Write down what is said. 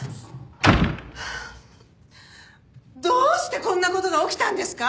どうしてこんな事が起きたんですか？